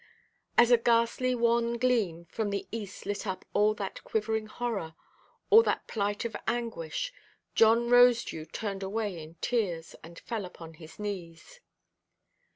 As a ghastly wan gleam from the east lit up all that quivering horror, all that plight of anguish, John Rosedew turned away in tears, and fell upon his knees.